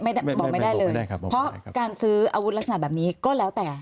ไม่ได้บอกไม่ได้เลยใช่ครับผมเพราะการซื้ออาวุธลักษณะแบบนี้ก็แล้วแต่